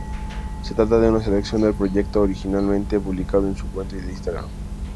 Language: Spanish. Se trata de una selección del proyecto originalmente publicado en su cuenta Instagram.